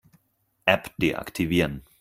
App deaktivieren.